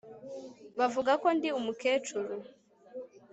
bavuga ko ndi umukecuru